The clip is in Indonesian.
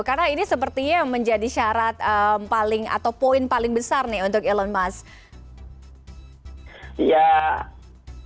karena ini sepertinya menjadi syarat paling atau poin paling besar nih untuk elon musk